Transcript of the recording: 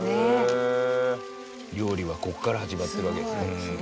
料理はここから始まってるわけですね。